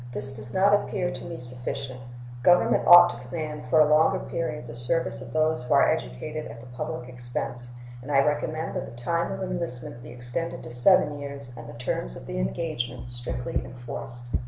This does not appear to me sufficient. Government ought to command for a longer period the services of those who are educated at the public expense, and I recommend that the time of enlistment be extended to seven years, and the terms of the engagement strictly enforced.